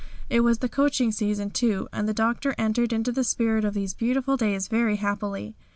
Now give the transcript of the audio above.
It was the coaching season, too, and the Doctor entered into the spirit of these beautiful days very happily.